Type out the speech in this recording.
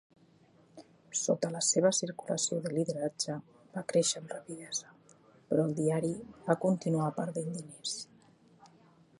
Sota la seva circulació de lideratge va créixer amb rapidesa, però el diari va continuar perdent diners.